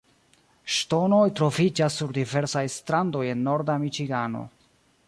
Ŝtonoj troviĝas sur diversaj strandoj en norda Miĉigano.